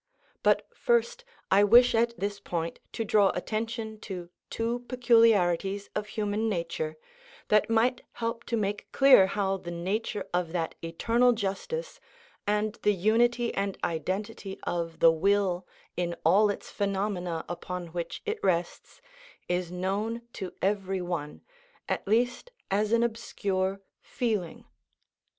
But first I wish at this point to draw attention to two peculiarities of human nature, that might help to make clear how the nature of that eternal justice, and the unity and identity of the will in all its phenomena upon which it rests, is known to every one, at least as an obscure feeling.